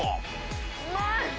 うまい！